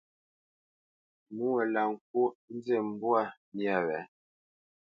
Mwô lâ ŋkwóʼ nzi mbwǎ myâ wě.